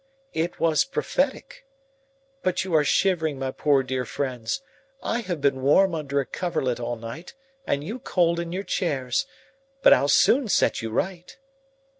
It was prophetic. But you are shivering, my poor dear friends. I have been warm under a coverlet all night, and you cold in your chairs. But I'll soon set you right."